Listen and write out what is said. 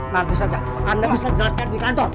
nanti saja anda bisa jelaskan di kantor